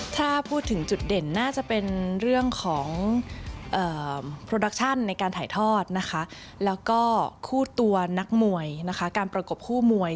ถ้าพูดถึงจุดเด่นน่าจะเป็นเรื่องของโปรดักชั่นในการถ่ายทอดนะคะแล้วก็คู่ตัวนักมวยนะคะการประกบคู่มวย